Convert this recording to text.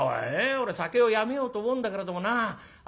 俺酒をやめようと思うんだけれどもなあ